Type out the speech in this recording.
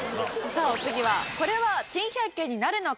さあお次はこれは珍百景になるのか？です。